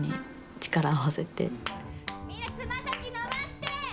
みんな爪先伸ばして！